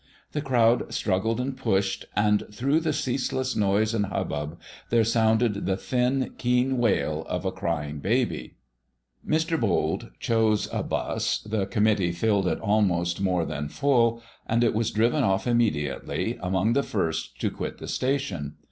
The crowd struggled and pushed, and through the ceaseless noise and hubbub there sounded the thin, keen wail of a crying baby. Mr. Bold chose a 'bus, the committee filled it almost more than full, and it was driven off immediately, among the first to quit the station.